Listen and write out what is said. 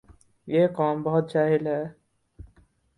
یہ قوم بہت جاہل ھے